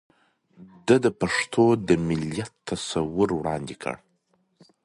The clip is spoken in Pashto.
ده د پښتنو د مليت تصور وړاندې کړ